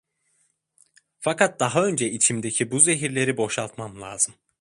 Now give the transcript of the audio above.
Fakat daha önce içimdeki bu zehirleri boşaltmam lazım.